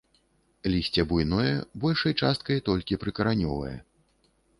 Лісце буйное, большай часткай толькі прыкаранёвае.